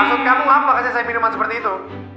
maksud kamu apa kasih saya minuman seperti itu